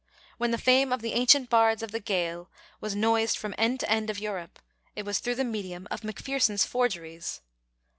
When the fame of the ancient bards of the Gael was noised from end to end of Europe, it was through the medium of Macpherson's forgeries.